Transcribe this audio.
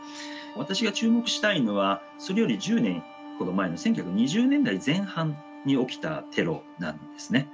私が注目したいのはそれより１０年ほど前の１９２０年代前半に起きたテロなんですね。